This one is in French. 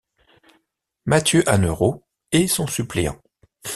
Mathieu Annereau est son suppléant.